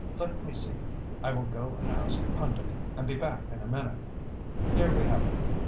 Let me see! I will go and ask Pundit and be back in a minute.... Ah, here we have it!